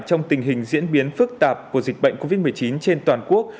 trong tình hình diễn biến phức tạp của dịch bệnh covid một mươi chín trên toàn quốc